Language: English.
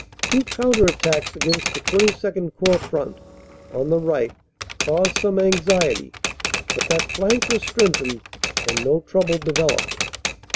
Two counter attacks against the XXII Corps front on the right caused some anxiety, but that flank was strengthened and no trouble developed.